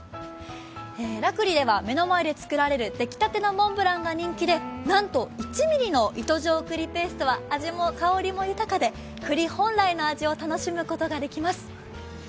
楽栗では目の前で作られる糸状のモンブランが人気でなんと１ミリの糸状の栗ペーストは味も香りも豊かでくり本来の味を楽しむことができます。